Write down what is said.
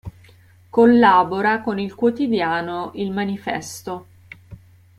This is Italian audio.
Collabora con il quotidiano "Il manifesto".